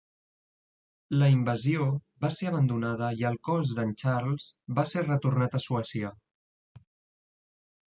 La invasió va ser abandonada i el cos d'en Charles va ser retornat a Suècia.